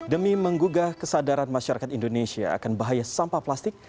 demi menggugah kesadaran masyarakat indonesia akan bahaya sampah plastik